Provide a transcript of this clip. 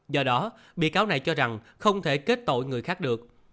do đó bị cáo này cho rằng không thể kết tội người khác được